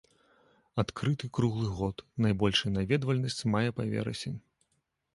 Адкрыты круглы год, найбольшая наведвальнасць з мая па верасень.